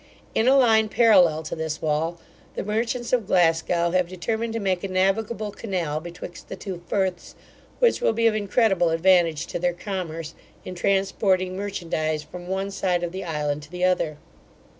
In a line parallel to this wall, the merchants of Glasgow have determined to make a navigable canal betwixt the two Firths which will be of incredible advantage to their commerce, in transporting merchandize from one side of the island to the other.